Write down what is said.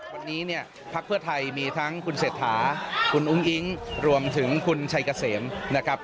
วันนี้เนี่ยพักเพื่อไทยมีทั้งคุณเศรษฐาคุณอุ้งอิ๊งรวมถึงคุณชัยเกษมนะครับ